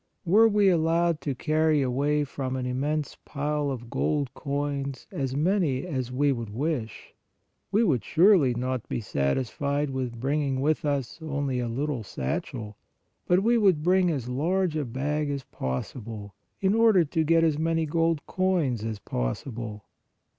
Were we allowed to carry away from an immense pile of gold coins as many as we would wish, we would surely not be satisfied with bringing with us only a little satchel, but we would bring as large a bag as possible, in order to get as many gold coins as possible.